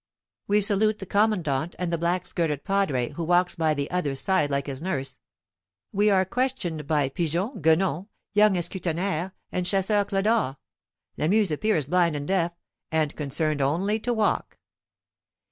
We salute the commandant and the black skirted padre who walks by the other's side like his nurse. We are questioned by Pigeon, Guenon, young Escutenaire, and Chasseur Clodore. Lamuse appears blind and deaf, and concerned only to walk.